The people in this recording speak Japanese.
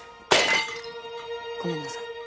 ごめんなさい。